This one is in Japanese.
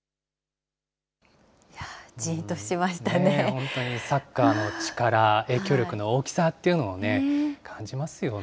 本当に、サッカーの力、影響力の大きさっていうのを感じますよね。